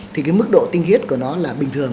thì cái mức độ tinh khiết của nó là bình thường